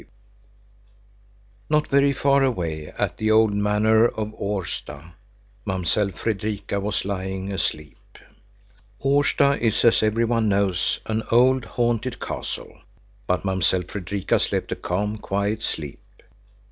The goddess of death Not very far away, at the old manor of Årsta, Mamsell Fredrika was lying asleep. Årsta is, as every one knows, an old haunted castle, but Mamsell Fredrika slept a calm, quiet sleep.